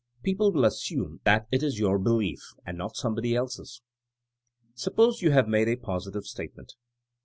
People will assume that it is your belief and not some body else's. Suppose you have made a positive statement.